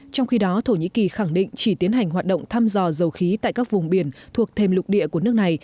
trong khi đó thổ nhĩ kỳ khẳng định chỉ tiến hành hoạt động thăm dò dầu khí tại các vùng biển thuộc thêm lục địa của nước này